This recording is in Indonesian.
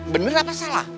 bener apa salah